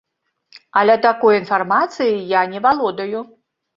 Але такой інфармацыяй я не валодаю.